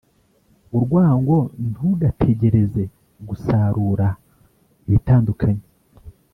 urwango ntugategereze gusarura ibitandukanye